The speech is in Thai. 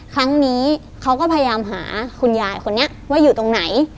ครั้งนี้เขาก็พยายามหาคุณยายคนนี้ว่าอยู่ตรงไหน